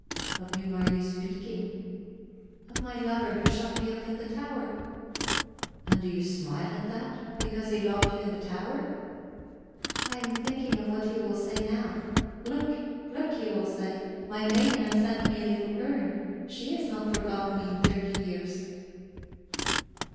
"Of whom are you speaking?" "Of my lover, who shut me in the tower." "And do you smile at that, because he locked you in the tower?" "I am thinking of what he will say now. 'Look, look,' he will say, 'my maiden has sent me a little urn; she has not forgotten me in thirty years.'"